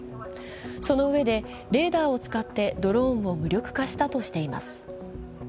そのうえで、レーダーを使ってドローンを無力化したとしています。